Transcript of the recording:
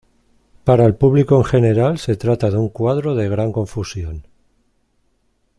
Para el público en general se trata de un cuadro de gran confusión.